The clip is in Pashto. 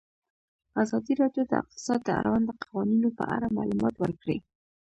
ازادي راډیو د اقتصاد د اړونده قوانینو په اړه معلومات ورکړي.